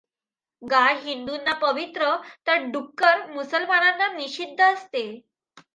गाय हिंदूना पवित्र तर डुक्कर मुसलमानांना निषिद्ध असते.